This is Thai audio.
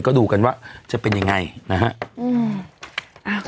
ก็ดูกันว่าจะเป็นยังไงนะฮะ